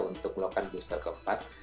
untuk melakukan booster keempat